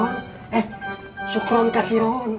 eh sukron kasiron